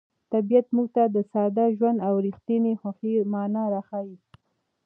طبیعت موږ ته د ساده ژوند او رښتیني خوښۍ مانا راښيي.